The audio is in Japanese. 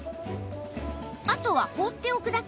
あとは放っておくだけ